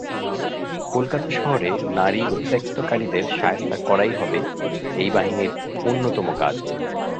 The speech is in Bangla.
কলকাতা শহরে নারী উত্ত্যক্তকারীদের শায়েস্তা করাই হবে এই বাহিনীর অন্যতম কাজ।